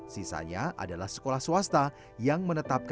sisanya adalah sekolah swasta yang menetapkan diri mereka